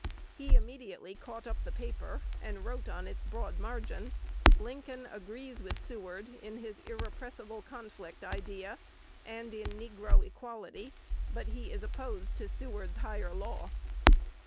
He immediately caught up the paper, and "wrote on its broad margin," "Lincoln agrees with Seward in his irrepressible conflict idea, and in negro equality; but he is opposed to Seward's Higher Law."